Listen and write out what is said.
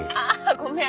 ごめん。